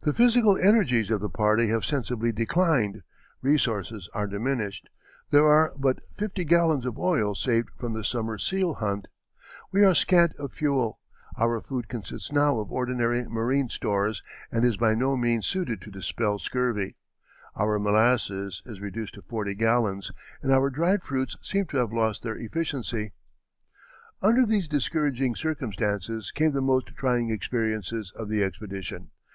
The physical energies of the party have sensibly declined; resources are diminished; there are but fifty gallons of oil saved from the summer seal hunt; we are scant of fuel; our food consists now of ordinary marine stores and is by no means suited to dispel scurvy; our molasses is reduced to forty gallons and our dried fruits seem to have lost their efficiency." Under these discouraging circumstances came the most trying experiences of the expedition.